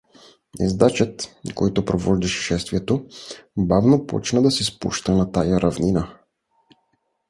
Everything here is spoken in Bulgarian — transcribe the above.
Ездачът, който предвождаше шествието, бавно почна да се спуща на тая равнина.